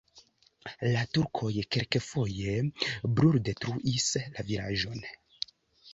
La turkoj kelkfoje bruldetruis la vilaĝon.